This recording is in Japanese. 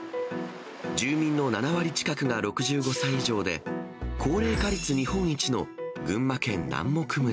住民の７割近くが６５歳以上で、高齢化率日本一の群馬県南牧村。